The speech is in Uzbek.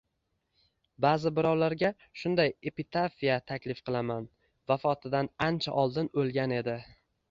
Ba’zi birovlarga shunday epitafiya taklif qilaman: “Vafotidan ancha oldin o’lgan edi”.